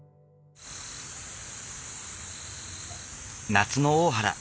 夏の大原。